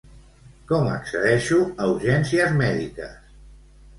Com accedeixo a urgències mèdiques?